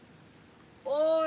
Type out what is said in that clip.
・おい！